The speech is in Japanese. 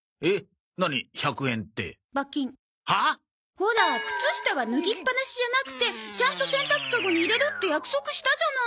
ほら靴下は脱ぎっぱなしじゃなくてちゃんと洗濯カゴに入れるって約束したじゃない。